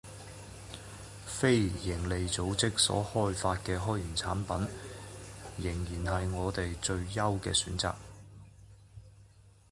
非营利组织所开发的开源产品，仍是我们最优的选择